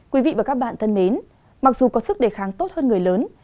quý vị và các bạn thân mến mặc dù có sức đề kháng tốt hơn người lớn